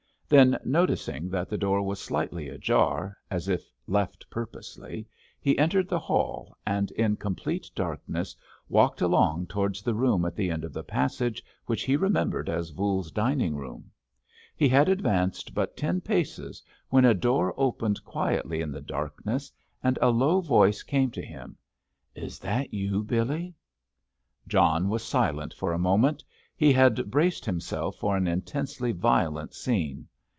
Then, noticing that the door was slightly ajar, as if left purposely, he entered the hall, and in complete darkness walked along towards the room at the end of the passage, which he remembered as Voules's dining room. He had advanced but ten paces when a door opened quietly in the darkness, and a low voice came to him. "Is that you, Billy?" John was silent for a moment. He had braced himself for an intensely violent scene.